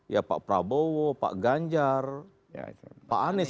ya pak prabowo pak ganjar pak anies